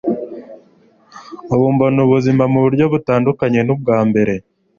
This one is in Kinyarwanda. Ubu mbona ubuzima muburyo butandukanye nubwa mbere.